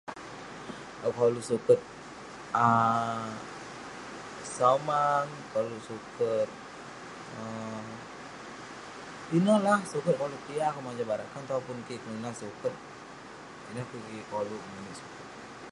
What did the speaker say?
Akouk koluk suket um Somang, koluk suket um, pinek lah suket koluk kik. Yeng akouk mojam barak. Kan topun kik kelunan suket, ineh kuk kik koluk ninik suket.